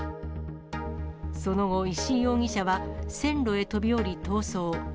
その後、石井容疑者は線路へ飛び降り、逃走。